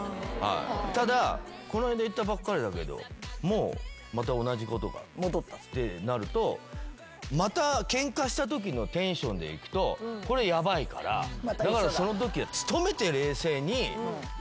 ただこの間言ったばっかりだけどもうまた同じことがってなるとまたケンカしたときのテンションでいくとこれヤバいからだからそのときは。